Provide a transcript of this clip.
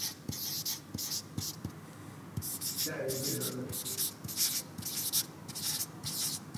او پۀ لمنه يې شيشې پاکې کړې